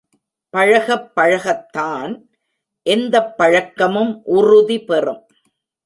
பழகப் பழகத்தான் எந்தப் பழக்கமும் உறுதிபெறும்.